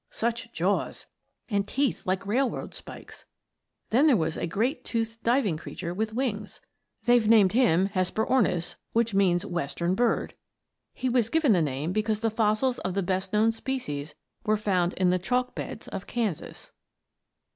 Such jaws! And teeth like railroad spikes! Then there was a great toothed diving creature with wings. They've named him the "Hesperornis," which means "western bird." He was given the name because the fossils of the best known species were found in the chalk beds of Kansas.